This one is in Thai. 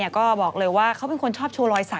ก็บอกเลยว่าเขาเป็นคนชอบโชว์รอยสัก